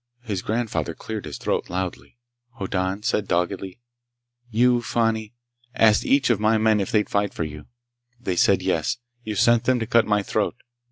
His grandfather cleared his throat loudly. Hoddan said doggedly: "You, Fani, asked each of my men if they'd fight for you. They said yes. You sent them to cut my throat.